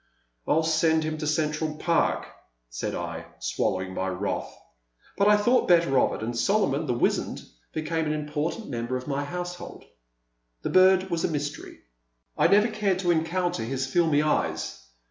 " I *11 send him to Central Park," said I, swal lowing my wrath ; but I thought better of it, and Solomon, the wizened, became an important member of my household. The bird was a mystery. I never cared to encounter his filmy eyes.